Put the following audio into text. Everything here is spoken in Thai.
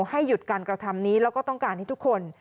ให้หยุดการกระทำนี้แล้วก็ต้องการให้ทุกคน